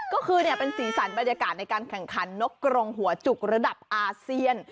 ก็คือเป็นสีสันบรรยากาศในการแข่งขันนกกรงหัวจุกระดับอาเซียน